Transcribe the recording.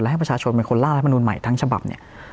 ให้ประชาชนเป็นคนล่างรัฐมนุนใหม่ทั้งฉบับเนี่ย